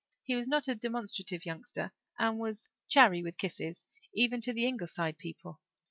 He was not a demonstrative youngster and was chary with kisses even to the Ingleside people.